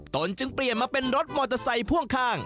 ตนจึงเปลี่ยนมาเป็นรถมอเตอร์ไซค์พ่วงข้าง